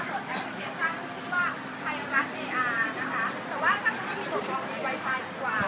แต่ว่าถ้าไม่ได้กล่องกล่องอีไทยก็ดีกว่า